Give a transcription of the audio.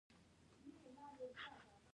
زه له جهاد سره مینه لرم.